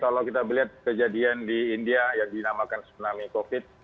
jadi kalau kita melihat kejadian di india yang dinamakan tsunami covid